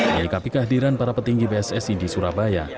dikapi kehadiran para petinggi pssi di surabaya